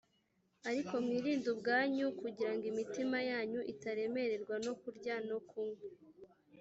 ariko mwirinde ubwanyu kugira ngo imitima yanyu itaremererwa no kurya no kunywa